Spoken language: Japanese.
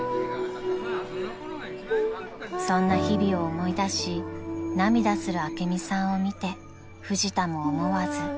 ［そんな日々を思い出し涙する朱美さんを見てフジタも思わず］